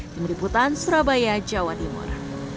tim liputan surabaya jawa timur